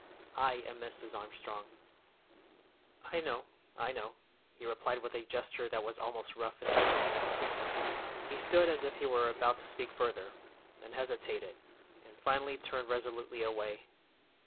"I am Mrs. Armstrong." "I know, I know," he replied with a gesture that was almost rough in its curtness. He stood as if he were about to speak further, then hesitated, and finally turned resolutely away.